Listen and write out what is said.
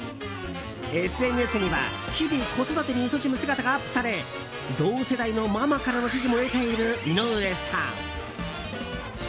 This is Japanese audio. ＳＮＳには日々子育てにいそしむ姿がアップされ同世代のママからの支持も得ている井上さん。